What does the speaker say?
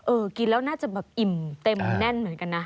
กินแล้วน่าจะแบบอิ่มเต็มแน่นเหมือนกันนะ